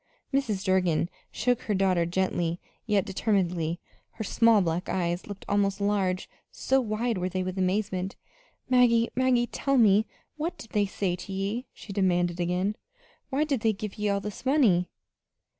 Mrs. Durgin shook her daughter gently, yet determinedly. Her small black eyes looked almost large, so wide were they with amazement. "Maggie, Maggie, tell me what did they say to ye?" she demanded again. "Why did they give ye all this money?"